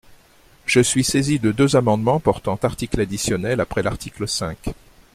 Je suis saisie de deux amendements portant articles additionnels après l’article cinq.